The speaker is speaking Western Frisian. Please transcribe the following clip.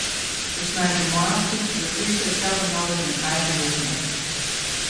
De sneintemoarns typte de plysje itselde nochris yn eigen wurden op.